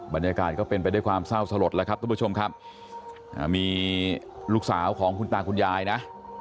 บรรยากาศก็เป็นไปด้วยความเศร้าสลดแล้วครับทุกผู้ชมครับมีลูกสาวของคุณตาคุณยายนะ